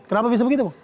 kenapa bisa begitu